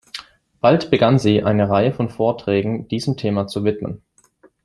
Bald begann sie, eine Reihe von Vorträgen diesem Thema zu widmen.